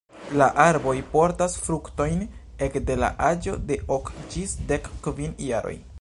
La arboj portas fruktojn ekde la aĝo de ok ĝis dek kvin jaroj.